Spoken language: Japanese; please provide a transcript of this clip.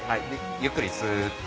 ゆっくりスっと。